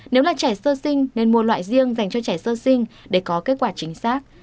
nếu là trẻ sơ sinh nên mua loại riêng dành cho trẻ sơ sinh để có kết quả chính xác